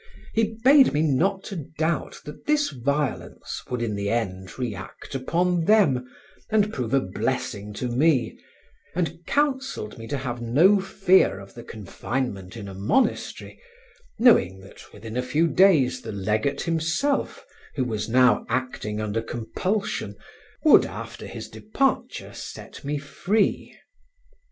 He bade me not to doubt that this violence would in the end react upon them and prove a blessing to me, and counseled me to have no fear of the confinement in a monastery, knowing that within a few days the legate himself, who was now acting under compulsion, would after his departure set me free.